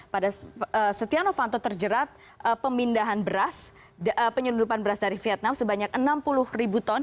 pada setia novanto terjerat pemindahan beras penyelundupan beras dari vietnam sebanyak enam puluh ribu ton